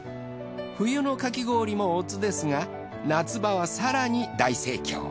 冬のかき氷もおつですが夏場は更に大盛況。